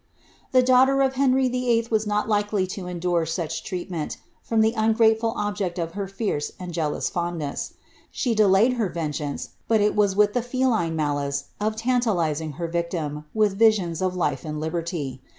The daughter of Henry VHl. was not likely to endure such treatment from the ungrateful object of her fierce and jealous fondness. She de layed her vengeance, but it was with the feline malice of tantalizing her victim with visions of life and liberty.